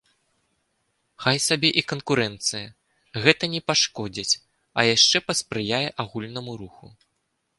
Хай сабе і канкурэнцыя, гэта не пашкодзіць, а яшчэ паспрыяе агульнаму руху.